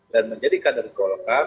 dan menjadi kader golkar